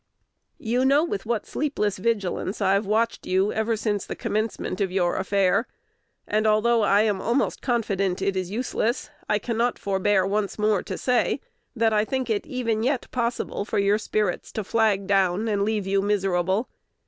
You know with what sleepless vigilance I have watched you ever since the commencement of your affair; and, although I am almost confident it is useless, I cannot forbear once more to say, that I think it is even yet possible for your spirits to flag down and leave you miserable.